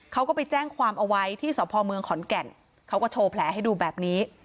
เขาก็ไปแจ้งความเอาไว้ที่สพเมืองขอนแก่นเขาก็โชว์แผลให้ดูแบบนี้